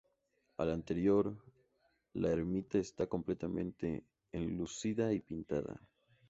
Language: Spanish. Al interior, la ermita está completamente enlucida y pintada.